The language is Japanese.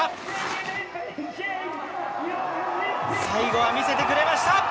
最後は見せてくれました！